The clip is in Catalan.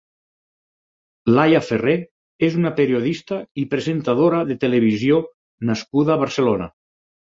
Laia Ferrer és una periodista i presentadora de televisió nascuda a Barcelona.